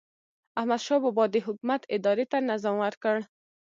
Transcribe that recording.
احمدشاه بابا د حکومت ادارې ته نظم ورکړ.